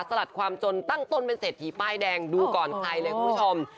สลัดความจนตั้งต้นเป็นเศรษฐีป้ายแดงดูก่อนใครเลยคุณผู้ชม